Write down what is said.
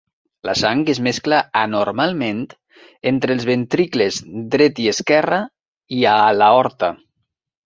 La sang es mescla anormalment entre els ventricles dret i esquerra i a l'aorta.